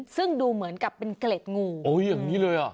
ซึ่งดูเหมือนกับเป็นเกล็ดงูโอ้ยอย่างนี้เลยอ่ะ